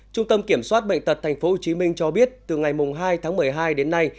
trung tâm kiểm soát bệnh tật tp hcm cho biết từ ngày hai tháng một mươi hai đến nay